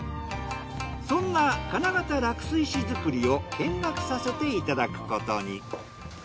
そんな金型落水紙作りを見学させていただくことに。